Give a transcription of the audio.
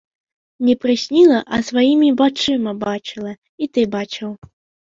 Не прысніла, а сваімі вачыма бачыла, і ты бачыў.